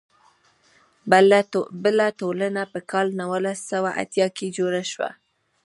بله ټولنه په کال نولس سوه اتیا کې جوړه شوه.